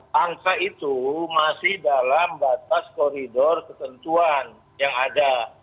bangsa itu masih dalam batas koridor ketentuan yang ada